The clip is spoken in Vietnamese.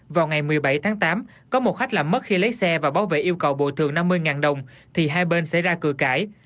vào ngày một mươi bảy tháng tám có một khách làm mất khi lấy xe và bảo vệ yêu cầu bồi thường năm mươi đồng thì hai bên xảy ra cửa cãi